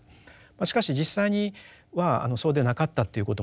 しかし実際にはそうでなかったということもですね